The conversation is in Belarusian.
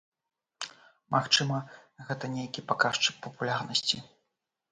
Магчыма, гэта нейкі паказчык папулярнасці.